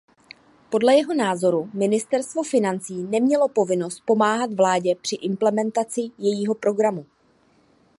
Podle jeho názoru ministerstvo financí nemělo povinnost pomáhat vládě při implementaci jejího programu.